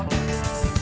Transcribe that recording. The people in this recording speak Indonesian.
bisnis bisa dikembangkan